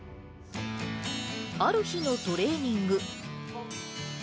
ある日のトレーニング。